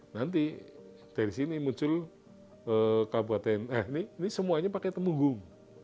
nanti dari sini muncul kabupaten eh ini semuanya pakai temunggung